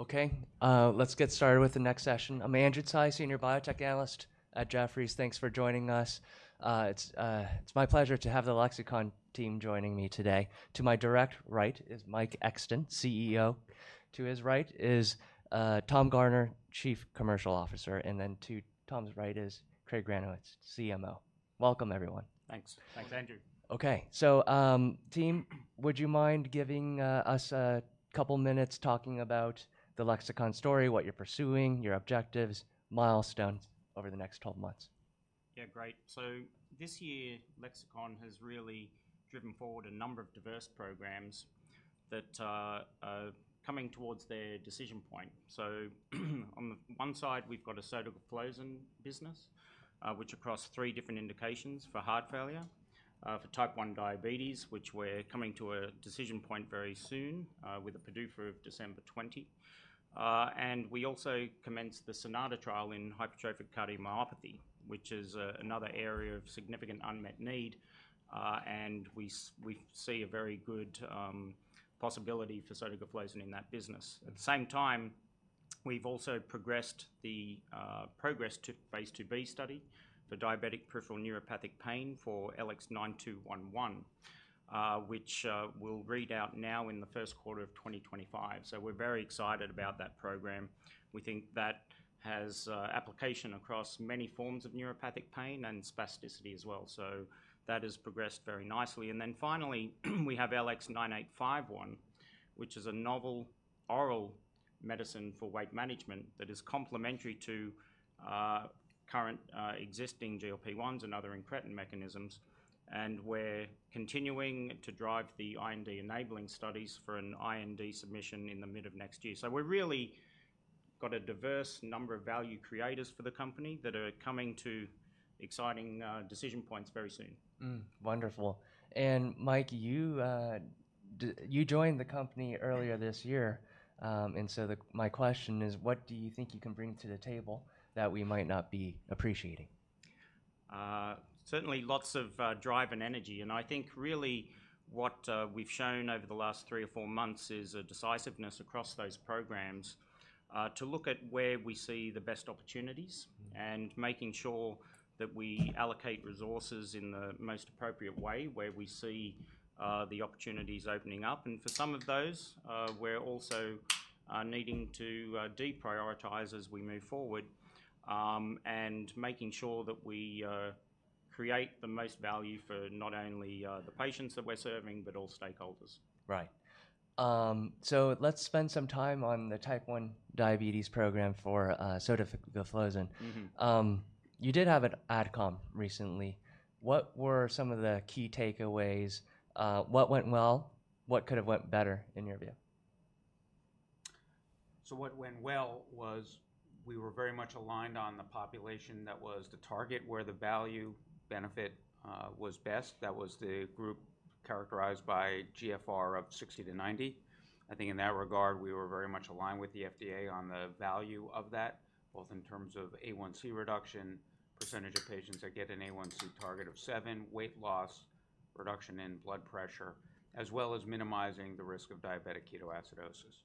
Okay, let's get started with the next session. Andrew Tsai, Senior Biotech Analyst at Jefferies, thanks for joining us. It's my pleasure to have the Lexicon team joining me today. To my direct right is Mike Exton, CEO. To his right is Tom Garner, Chief Commercial Officer. And then to Tom's right is Craig Granowitz, CMO. Welcome, everyone. Thanks. Thanks, Andrew. Okay, so team, would you mind giving us a couple of minutes talking about the Lexicon story, what you're pursuing, your objectives, milestones over the next 12 months? Yeah, great. So this year, Lexicon has really driven forward a number of diverse programs that are coming toward their decision point. So on the one side, we've got a sodium-glucose cotransporter business, which across three different indications for heart failure, for type 1 diabetes, which we're coming to a decision point very soon with a PDUFA of December 20. And we also commenced the SONATA trial in hypertrophic cardiomyopathy, which is another area of significant unmet need. And we see a very good possibility for sodium-glucose cotransporter in that business. At the same time, we've also progressed the PROGRESS phase 2b study for diabetic peripheral neuropathic pain for LX9211, which we'll read out now in the first quarter of 2025. So we're very excited about that program. We think that has application across many forms of neuropathic pain and spasticity as well. So that has progressed very nicely. And then finally, we have LX9851, which is a novel oral medicine for weight management that is complementary to current existing GLP-1s and other intrinsic mechanisms. And we're continuing to drive the IND enabling studies for an IND submission in the mid of next year. So we've really got a diverse number of value creators for the company that are coming to exciting decision points very soon. Wonderful. And Mike, you joined the company earlier this year. And so my question is, what do you think you can bring to the table that we might not be appreciating? Certainly lots of drive and energy, and I think really what we've shown over the last three or four months is a decisiveness across those programs to look at where we see the best opportunities and making sure that we allocate resources in the most appropriate way where we see the opportunities opening up, and for some of those, we're also needing to deprioritize as we move forward and making sure that we create the most value for not only the patients that we're serving, but all stakeholders. Right. So let's spend some time on the type 1 diabetes program for sodium-glucose cotransporter. You did have an AdCom recently. What were some of the key takeaways? What went well? What could have went better in your view? So what went well was we were very much aligned on the population that was the target where the value benefit was best. That was the group characterized by GFR of 60-90. I think in that regard, we were very much aligned with the FDA on the value of that, both in terms of A1c reduction, percentage of patients that get an A1c target of seven, weight loss, reduction in blood pressure, as well as minimizing the risk of diabetic ketoacidosis.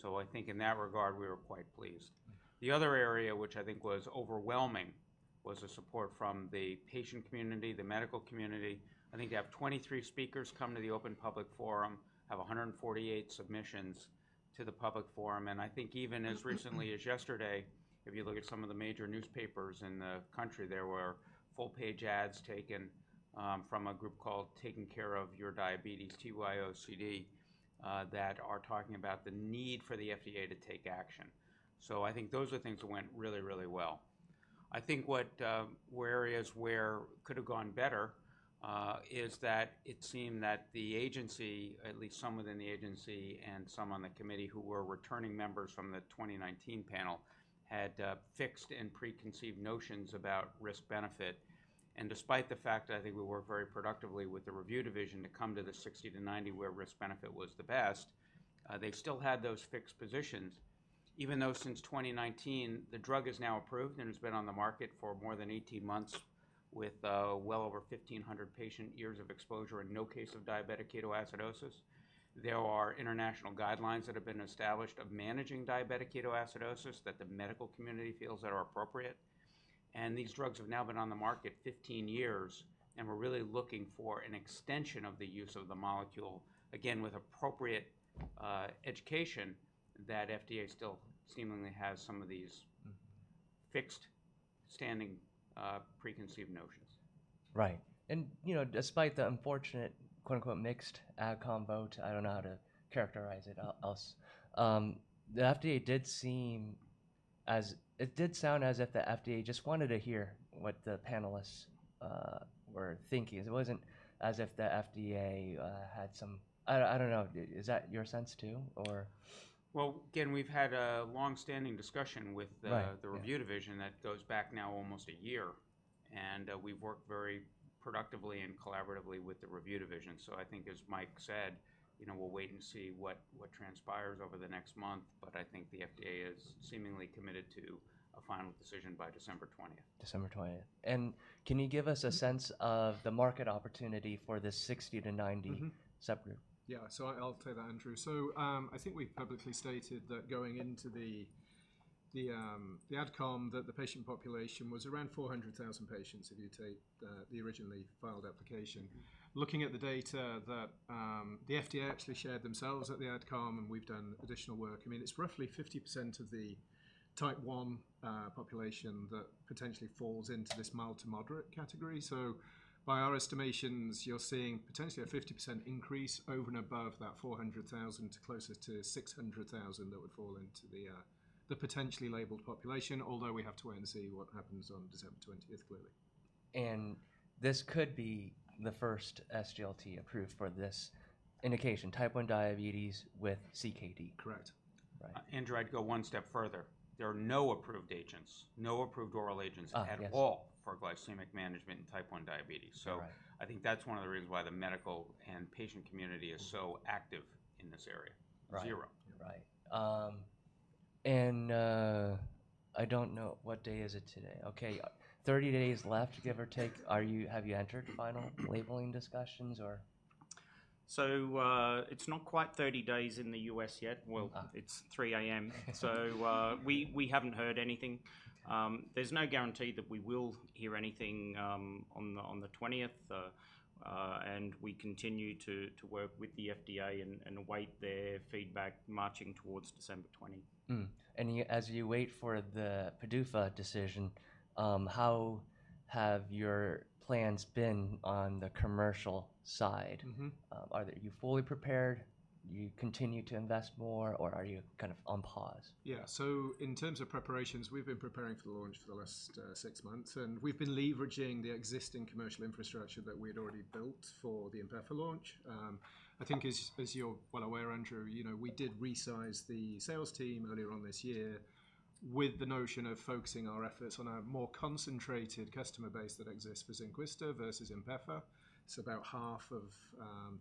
So I think in that regard, we were quite pleased. The other area, which I think was overwhelming, was the support from the patient community, the medical community. I think to have 23 speakers come to the open public forum, have 148 submissions to the public forum. And I think even as recently as yesterday, if you look at some of the major newspapers in the country, there were full-page ads taken from a group called Taking Control of Your Diabetes, TCOYD, that are talking about the need for the FDA to take action. So I think those are things that went really, really well. I think what were areas where it could have gone better is that it seemed that the agency, at least some within the agency and some on the committee who were returning members from the 2019 panel, had fixed and preconceived notions about risk-benefit. And despite the fact that I think we worked very productively with the review division to come to the 60-90 where risk-benefit was the best, they still had those fixed positions. Even though since 2019, the drug is now approved and has been on the market for more than 18 months with well over 1,500 patient-years of exposure and no case of diabetic ketoacidosis. There are international guidelines that have been established of managing diabetic ketoacidosis that the medical community feels that are appropriate. And these drugs have now been on the market 15 years. And we're really looking for an extension of the use of the molecule, again, with appropriate education that the FDA still seemingly has some of these fixed standing preconceived notions. Right. And despite the unfortunate mixed AdCom vote, I don't know how to characterize it else, the FDA did seem as it did sound as if the FDA just wanted to hear what the panelists were thinking. It wasn't as if the FDA had some I don't know. Is that your sense too, or? Again, we've had a long-standing discussion with the review division that goes back now almost a year. We've worked very productively and collaboratively with the review division. I think, as Mike said, we'll wait and see what transpires over the next month. I think the FDA is seemingly committed to a final decision by December 20. December 20. And can you give us a sense of the market opportunity for the 60-90 subgroup? Yeah, so I'll take that, Andrew. So I think we've publicly stated that going into the AdCom, that the patient population was around 400,000 patients if you take the originally filed application. Looking at the data that the FDA actually shared themselves at the AdCom, and we've done additional work, I mean, it's roughly 50% of the type 1 population that potentially falls into this mild to moderate category. So by our estimations, you're seeing potentially a 50% increase over and above that 400,000 to closer to 600,000 that would fall into the potentially labeled population, although we have to wait and see what happens on December 20, clearly. This could be the first SGLT approved for this indication, type 1 diabetes with CKD. Correct. Right. Andrew, I'd go one step further. There are no approved agents, no approved oral agents at all for glycemic management in type 1 diabetes. So I think that's one of the reasons why the medical and patient community is so active in this area. Zero. Right. And I don't know what day is it today? Okay, 30 days left, give or take. Have you entered final labeling discussions, or? It's not quite 30 days in the US yet. It's 3:00 a.m. We haven't heard anything. There's no guarantee that we will hear anything on the 20th. We continue to work with the FDA and await their feedback marching towards December 20. As you wait for the PDUFA decision, how have your plans been on the commercial side? Are you fully prepared? Do you continue to invest more, or are you kind of on pause? Yeah, so in terms of preparations, we've been preparing for the launch for the last six months. And we've been leveraging the existing commercial infrastructure that we had already built for the Inpefa launch. I think as you're well aware, Andrew, we did resize the sales team earlier on this year with the notion of focusing our efforts on a more concentrated customer base that exists for Zynquista versus Inpefa. It's about half of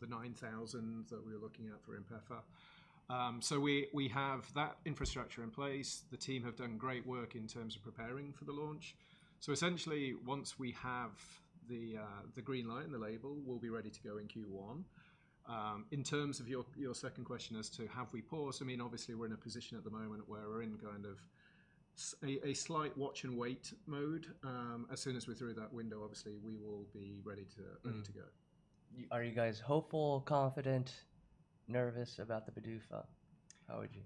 the 9,000 that we were looking at for Inpefa. So we have that infrastructure in place. The team have done great work in terms of preparing for the launch. So essentially, once we have the green light, the label, we'll be ready to go in Q1. In terms of your second question as to have we paused, I mean, obviously, we're in a position at the moment where we're in kind of a slight watch and wait mode. As soon as we're through that window, obviously, we will be ready to go. Are you guys hopeful, confident, nervous about the PDUFA? How would you?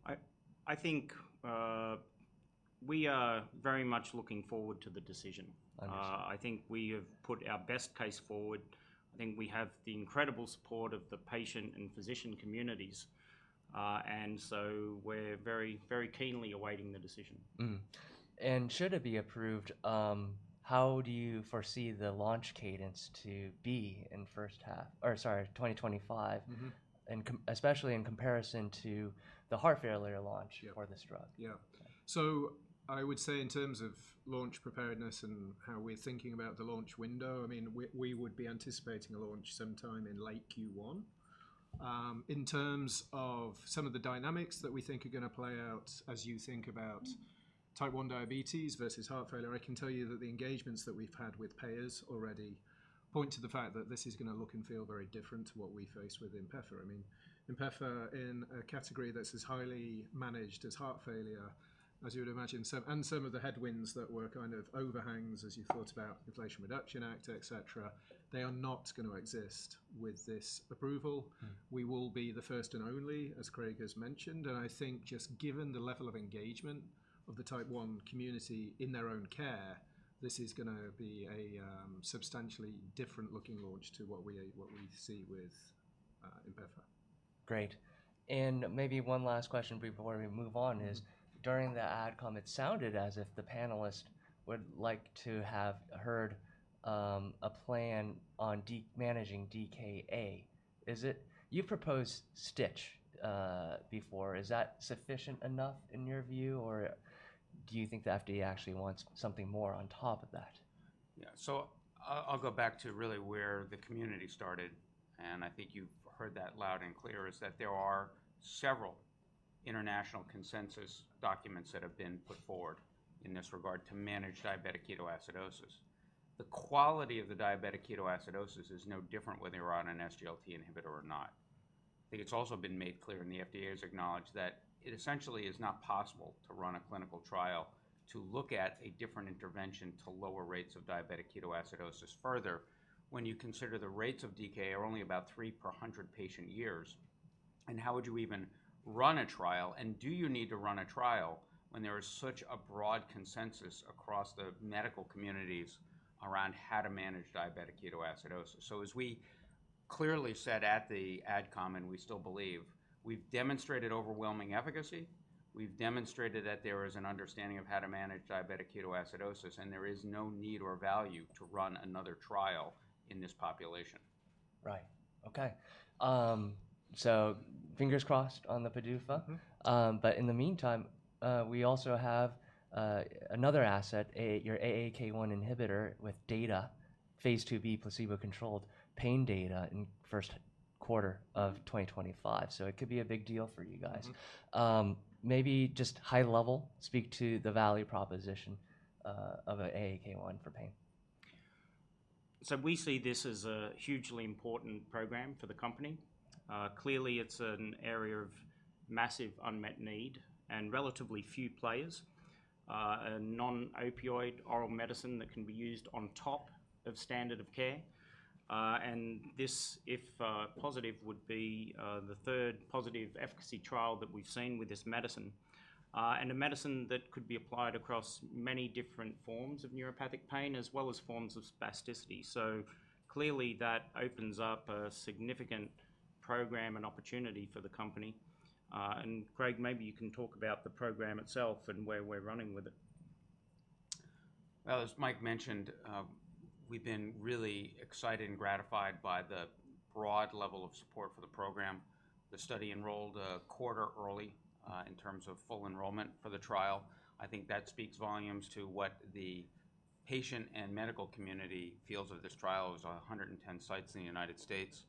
I think we are very much looking forward to the decision. I think we have put our best case forward. I think we have the incredible support of the patient and physician communities, and so we're very, very keenly awaiting the decision. Should it be approved, how do you foresee the launch cadence to be in first half or, sorry, 2025, especially in comparison to the heart failure launch for this drug? Yeah. So I would say in terms of launch preparedness and how we're thinking about the launch window, I mean, we would be anticipating a launch sometime in late Q1. In terms of some of the dynamics that we think are going to play out as you think about type 1 diabetes versus heart failure, I can tell you that the engagements that we've had with payers already point to the fact that this is going to look and feel very different to what we face with Inpefa. I mean, Inpefa in a category that's as highly managed as heart failure, as you would imagine, and some of the headwinds that were kind of overhangs as you thought about the Inflation Reduction Act, et cetera, they are not going to exist with this approval. We will be the first and only, as Craig has mentioned. I think just given the level of engagement of the type 1 community in their own care, this is going to be a substantially different looking launch to what we see with Inpefa. Great. And maybe one last question before we move on is during the AdCom, it sounded as if the panelists would like to have heard a plan on managing DKA. You've proposed Stitch before. Is that sufficient enough in your view, or do you think the FDA actually wants something more on top of that? Yeah, so I'll go back to really where the community started. And I think you've heard that loud and clear is that there are several international consensus documents that have been put forward in this regard to manage diabetic ketoacidosis. The quality of the diabetic ketoacidosis is no different whether you're on an SGLT inhibitor or not. I think it's also been made clear and the FDA has acknowledged that it essentially is not possible to run a clinical trial to look at a different intervention to lower rates of diabetic ketoacidosis further when you consider the rates of DKA are only about three per 100 patient-years. And how would you even run a trial? And do you need to run a trial when there is such a broad consensus across the medical communities around how to manage diabetic ketoacidosis? So as we clearly said at the AdCom, and we still believe, we've demonstrated overwhelming efficacy. We've demonstrated that there is an understanding of how to manage diabetic ketoacidosis. And there is no need or value to run another trial in this population. Right. Okay. So fingers crossed on the PDUFA. But in the meantime, we also have another asset, your AAK1 inhibitor with data, phase 2b placebo-controlled pain data in first quarter of 2025. So it could be a big deal for you guys. Maybe just high level, speak to the value proposition of an AAK1 for pain. So we see this as a hugely important program for the company. Clearly, it's an area of massive unmet need and relatively few players, a non-opioid oral medicine that can be used on top of standard of care. And this, if positive, would be the third positive efficacy trial that we've seen with this medicine and a medicine that could be applied across many different forms of neuropathic pain as well as forms of spasticity. So clearly, that opens up a significant program and opportunity for the company. And Craig, maybe you can talk about the program itself and where we're running with it. Well, as Mike mentioned, we've been really excited and gratified by the broad level of support for the program. The study enrolled a quarter early in terms of full enrollment for the trial. I think that speaks volumes to what the patient and medical community feels of this trial. It was 110 sites in the United States.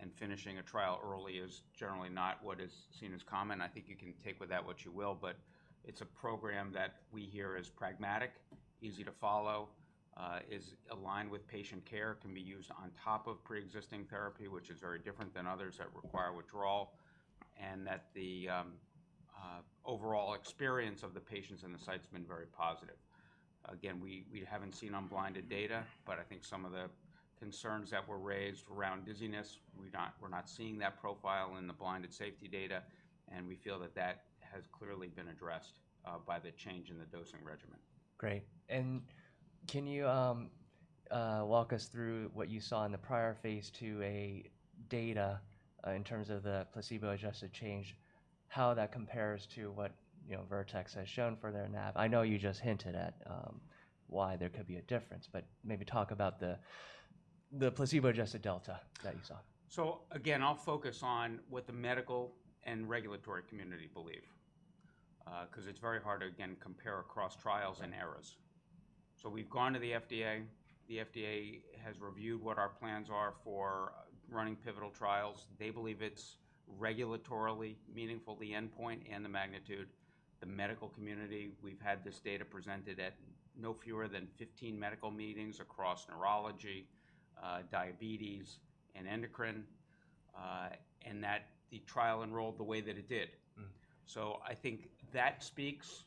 And finishing a trial early is generally not what is seen as common. I think you can take with that what you will. But it's a program that we hear is pragmatic, easy to follow, is aligned with patient care, can be used on top of pre-existing therapy, which is very different than others that require withdrawal, and that the overall experience of the patients and the sites has been very positive. Again, we haven't seen unblinded data. But I think some of the concerns that were raised around dizziness, we're not seeing that profile in the blinded safety data. And we feel that that has clearly been addressed by the change in the dosing regimen. Great, and can you walk us through what you saw in the prior phase 2A data in terms of the placebo-adjusted change, how that compares to what Vertex has shown for their NAB? I know you just hinted at why there could be a difference, but maybe talk about the placebo-adjusted delta that you saw. So again, I'll focus on what the medical and regulatory community believe because it's very hard to, again, compare across trials and errors. So we've gone to the FDA. The FDA has reviewed what our plans are for running pivotal trials. They believe it's regulatorily meaningful, the endpoint and the magnitude. The medical community, we've had this data presented at no fewer than 15 medical meetings across neurology, diabetes, and endocrine, and that the trial enrolled the way that it did. So I think that speaks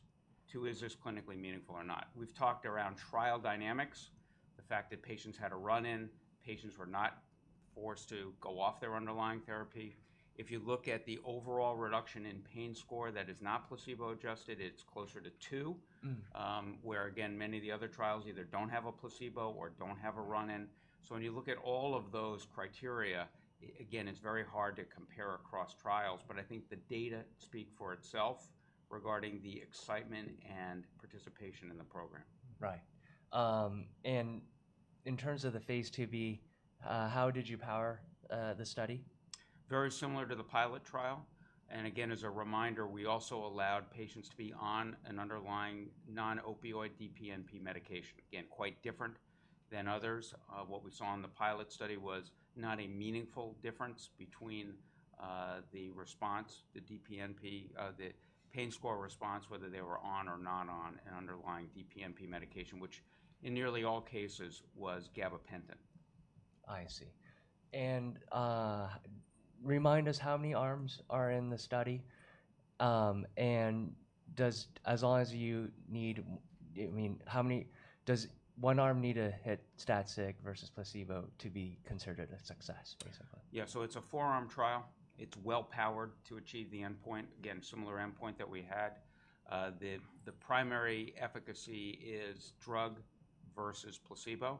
to is this clinically meaningful or not. We've talked around trial dynamics, the fact that patients had a run-in, patients were not forced to go off their underlying therapy. If you look at the overall reduction in pain score that is not placebo-adjusted, it's closer to 2, where, again, many of the other trials either don't have a placebo or don't have a run-in. So when you look at all of those criteria, again, it's very hard to compare across trials. But I think the data speak for itself regarding the excitement and participation in the program. Right. And in terms of the phase 2B, how did you power the study? Very similar to the pilot trial. And again, as a reminder, we also allowed patients to be on an underlying non-opioid DPNP medication. Again, quite different than others. What we saw in the pilot study was not a meaningful difference between the response, the DPNP, the pain score response, whether they were on or not on an underlying DPNP medication, which in nearly all cases was Gabapentin. I see. And remind us how many arms are in the study. And as long as you need, I mean, how many does one arm need to hit stat sig versus placebo to be considered a success, basically? Yeah, so it's a four-arm trial. It's well-powered to achieve the endpoint, again, similar endpoint that we had. The primary efficacy is drug versus placebo.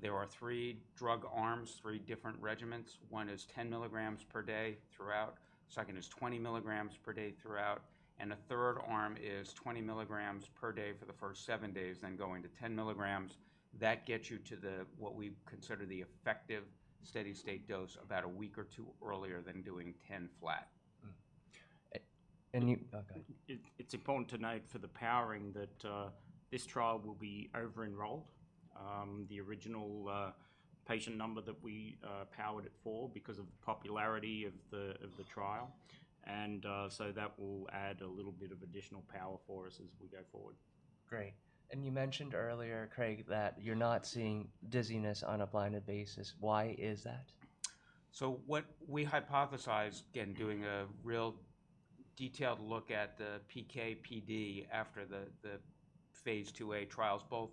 There are three drug arms, three different regimens. One is 10 milligrams per day throughout, second is 20 milligrams per day throughout, and a third arm is 20 milligrams per day for the first seven days, then going to 10 milligrams. That gets you to what we consider the effective steady-state dose about a week or two earlier than doing 10 flat. And you. It's important to note for the powering that this trial will be over-enrolled, the original patient number that we powered it for because of the popularity of the trial, and so that will add a little bit of additional power for us as we go forward. Great. You mentioned earlier, Craig, that you're not seeing dizziness on a blinded basis. Why is that? So what we hypothesized, again, doing a real detailed look at the PK/PD after the phase 2A trials, both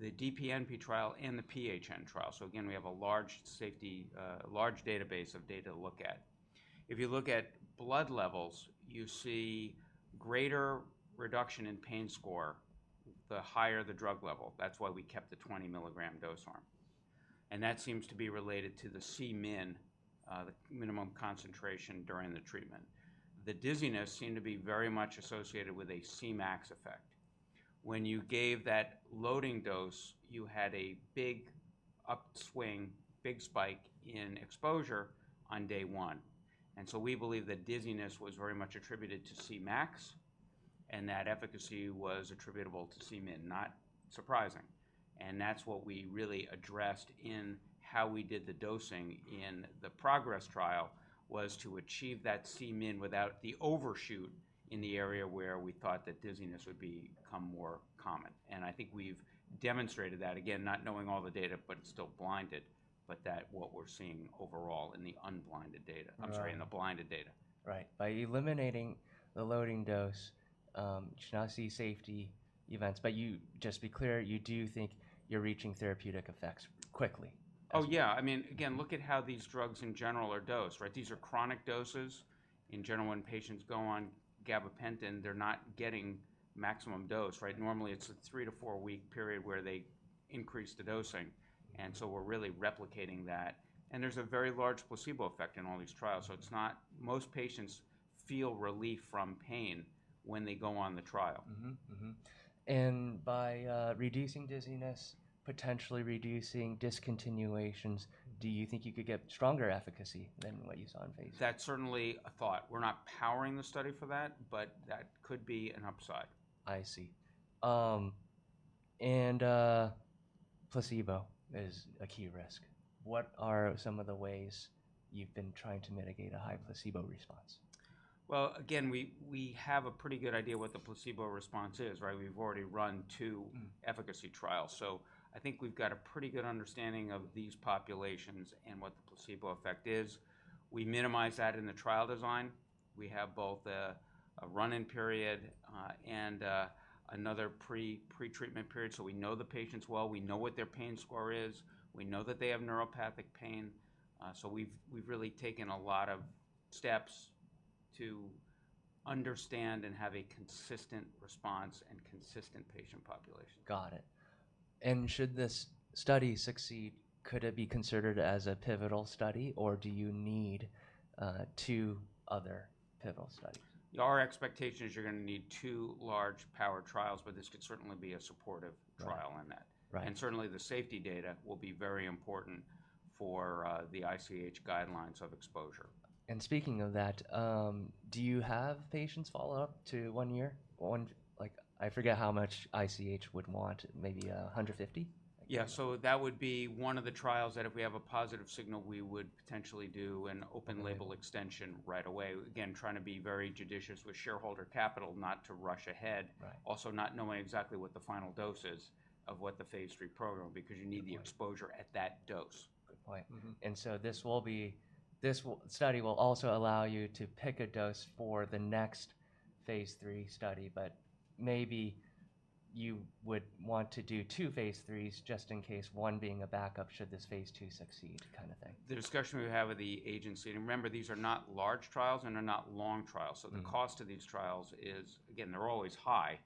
the DPNP trial and the PHN trial. So again, we have a large database of data to look at. If you look at blood levels, you see greater reduction in pain score the higher the drug level. That's why we kept the 20 milligram dose arm. And that seems to be related to the CMIN, the minimum concentration during the treatment. The dizziness seemed to be very much associated with a CMAX effect. When you gave that loading dose, you had a big upswing, big spike in exposure on day one. And so we believe that dizziness was very much attributed to CMAX and that efficacy was attributable to CMIN, not surprising. And that's what we really addressed in how we did the dosing in the PROGRESS trial was to achieve that CMIN without the overshoot in the area where we thought that dizziness would become more common. And I think we've demonstrated that, again, not knowing all the data, but it's still blinded, but that what we're seeing overall in the unblinded data, I'm sorry, in the blinded data. Right. By eliminating the loading dose, you should not see safety events. But just be clear, you do think you're reaching therapeutic effects quickly. Oh, yeah. I mean, again, look at how these drugs in general are dosed, right? These are chronic doses. In general, when patients go on gabapentin, they're not getting maximum dose, right? Normally, it's a three- to four-week period where they increase the dosing. And so we're really replicating that. And there's a very large placebo effect in all these trials. So it's not most patients feel relief from pain when they go on the trial. By reducing dizziness, potentially reducing discontinuations, do you think you could get stronger efficacy than what you saw in phase 2? That's certainly a thought. We're not powering the study for that, but that could be an upside. I see. And placebo is a key risk. What are some of the ways you've been trying to mitigate a high placebo response? Again, we have a pretty good idea what the placebo response is, right? We've already run two efficacy trials. So I think we've got a pretty good understanding of these populations and what the placebo effect is. We minimize that in the trial design. We have both a run-in period and another pre-treatment period. So we know the patients well. We know what their pain score is. We know that they have neuropathic pain. So we've really taken a lot of steps to understand and have a consistent response and consistent patient population. Got it. And should this study succeed, could it be considered as a pivotal study, or do you need two other pivotal studies? Our expectation is you're going to need two large power trials, but this could certainly be a supportive trial in that, and certainly, the safety data will be very important for the ICH guidelines of exposure. And speaking of that, do you have patients follow up to one year? I forget how much ICH would want, maybe 150? Yeah. So that would be one of the trials that if we have a positive signal, we would potentially do an open label extension right away, again trying to be very judicious with shareholder capital, not to rush ahead, also not knowing exactly what the final dose is of what the phase 3 program, because you need the exposure at that dose. Good point. And so this study will also allow you to pick a dose for the next phase 3 study. But maybe you would want to do two phase 3s just in case, one being a backup should this phase 2 succeed, kind of thing. The discussion we have with the agency, and remember, these are not large trials and are not long trials. So the cost of these trials is, again, they're always high.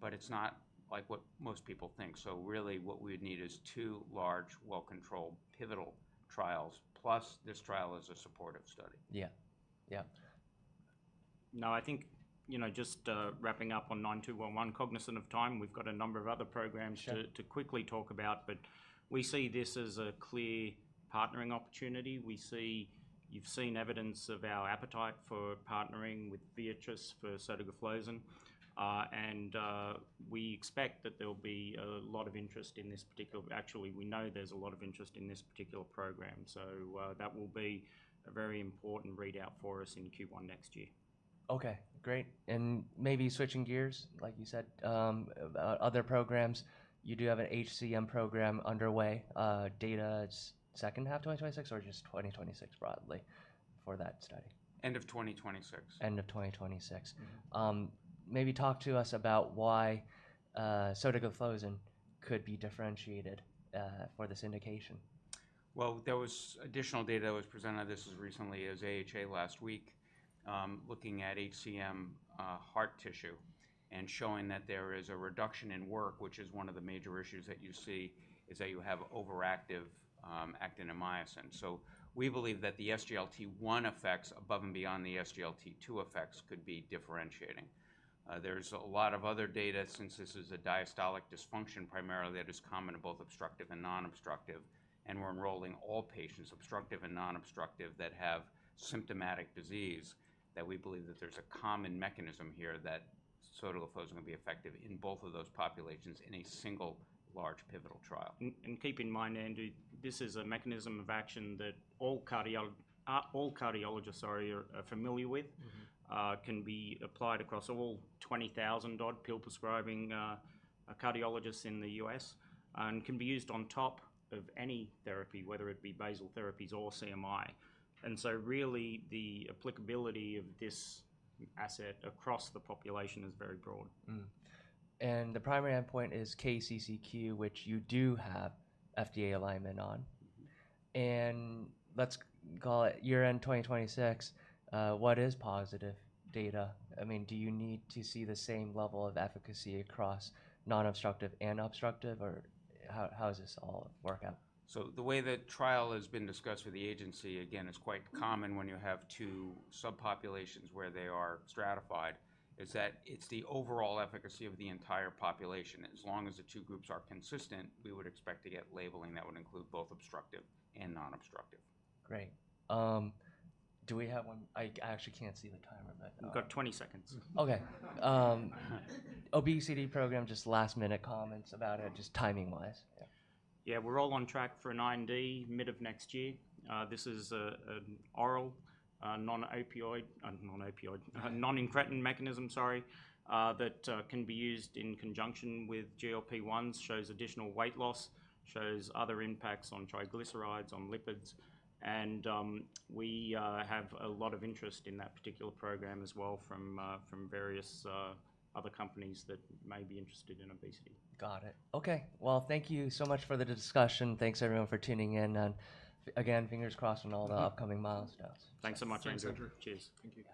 But it's not like what most people think. So really, what we would need is two large, well-controlled pivotal trials, plus this trial is a supportive study. Yeah. Yeah. Now, I think just wrapping up on 9211, cognizant of time, we've got a number of other programs to quickly talk about. But we see this as a clear partnering opportunity. You've seen evidence of our appetite for partnering with Viatris for sotagliflozin. And we expect that there will be a lot of interest in this particular actually, we know there's a lot of interest in this particular program. So that will be a very important readout for us in Q1 next year. Okay. Great. And maybe switching gears, like you said, other programs, you do have an HCM program underway. Data is second half 2026 or just 2026 broadly for that study? End of 2026. End of 2026. Maybe talk to us about why sotagliflozin could be differentiated for this indication. There was additional data that was presented. This was recently at AHA last week looking at HCM heart tissue and showing that there is a reduction in work, which is one of the major issues that you see is that you have overactive actin-myosin. We believe that the SGLT1 effects above and beyond the SGLT2 effects could be differentiating. There's a lot of other data since this is a diastolic dysfunction primarily that is common in both obstructive and non-obstructive. We're enrolling all patients, obstructive and non-obstructive, that have symptomatic disease that we believe that there's a common mechanism here that sotagliflozin can be effective in both of those populations in a single large pivotal trial. And keep in mind, Andrew, this is a mechanism of action that all cardiologists are familiar with, can be applied across all 20,000-odd pill-prescribing cardiologists in the U.S., and can be used on top of any therapy, whether it be basal therapies or CMI, and so really, the applicability of this asset across the population is very broad. The primary endpoint is KCCQ, which you do have FDA alignment on. Let's call it year-end 2026. What is positive data? I mean, do you need to see the same level of efficacy across non-obstructive and obstructive, or how does this all work out? The way the trial has been discussed for the agency, again, is quite common when you have two subpopulations where they are stratified is that it's the overall efficacy of the entire population. As long as the two groups are consistent, we would expect to get labeling that would include both obstructive and non-obstructive. Great. Do we have one? I actually can't see the timer. We've got 20 seconds. Okay. Obesity program, just last-minute comments about it, just timing-wise. Yeah. We're all on track for an IND mid of next year. This is an oral non-opioid, non-incretin mechanism, sorry, that can be used in conjunction with GLP-1s, shows additional weight loss, shows other impacts on triglycerides, on lipids. And we have a lot of interest in that particular program as well from various other companies that may be interested in obesity. Got it. Okay, well, thank you so much for the discussion. Thanks, everyone, for tuning in, and again, fingers crossed on all the upcoming milestones. Thanks so much, Andrew. Cheers. Thank you.